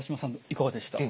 いかがでした？